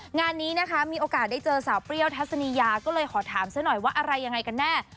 งานนี้มีโอกาสได้เจอสาวเบียวทัศนียาก็เลยขอถามแน็กหน่อยว่าอะไรอย่างไรกันแน่